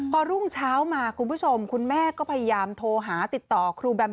พอรุ่งเช้ามาคุณผู้ชมคุณแม่ก็พยายามโทรหาติดต่อครูแบม